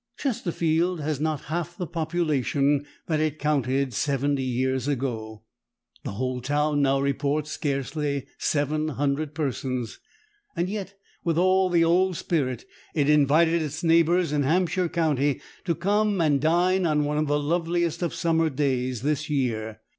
Chesterfield has not half the population that it counted seventy years ago. The whole town now reports scarcely seven hundred persons. Yet, with all the old spirit, it invited its neighbors in Hampshire County to come and dine on one of the loveliest of summer days this year.